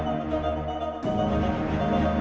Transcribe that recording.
nanti masuk aja nambah pasir